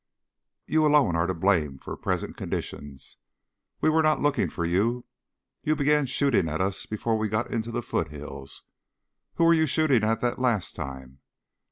"You alone are to blame for present conditions. We were not looking for you. You began shooting at us before we got into the foothills. Who were you shooting at the last time?